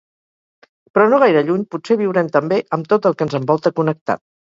Però no gaire lluny, potser viurem també amb tot el que ens envolta connectat.